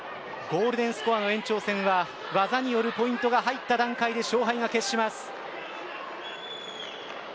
ゴールデンスコアの延長戦は技によるポイントが入った段階で勝敗が決します。